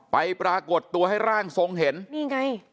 ปรากฏตัวให้ร่างทรงเห็นนี่ไง